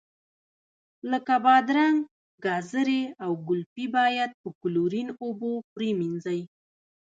لکه بادرنګ، ګازرې او ګلپي باید په کلورین اوبو پرېمنځئ.